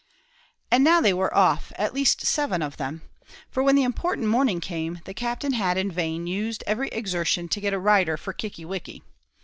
And now they were off at least seven of them; for when the important morning came, the Captain had in vain used every exertion to get a rider for Kickie wickie.